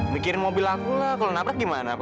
mikirin mobil akulah kalau naprak gimana